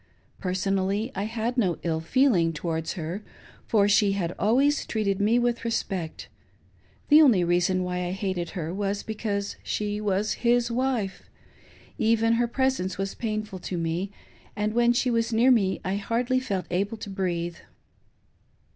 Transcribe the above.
Personally I had no ill feeling towards her, for she had always treated me with respect ; the only reason why I hated her was because she was his wife ; even her presence was painful to me, and when she was near me I hardly felt able to breathe.